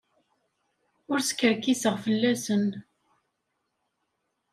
Ur skerkiseɣ fell-asen.